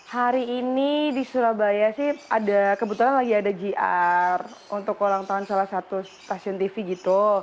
hari ini di surabaya sih ada kebetulan lagi ada gr untuk ulang tahun salah satu stasiun tv gitu